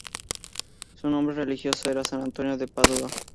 Su nombre religioso era "San Antonio de Padua".